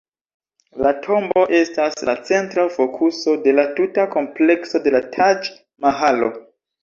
La tombo estas la centra fokuso de la tuta komplekso de la Taĝ-Mahalo.